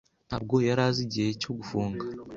ntabwo yari azi igihe cyo gufunga.